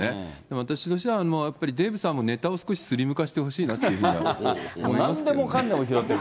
私としては、やっぱりデーブさんもネタを少しスリム化してほしいなというのはなんでもかんでも拾ってくる。